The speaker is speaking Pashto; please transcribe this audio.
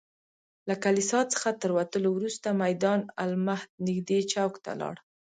له کلیسا څخه تر وتلو وروسته میدان المهد نږدې چوک ته لاړو.